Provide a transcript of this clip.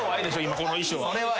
今この衣装は。